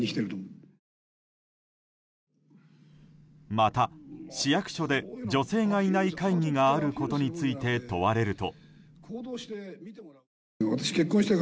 また、市役所で女性がいない会議があることについて問われると。